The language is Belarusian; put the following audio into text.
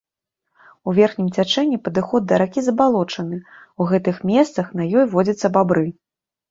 У верхнім цячэнні падыход да ракі забалочаны, у гэтых месцах на ёй водзяцца бабры.